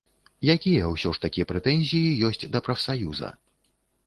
Якія ўсё ж такі прэтэнзіі ёсць да прафсаюза?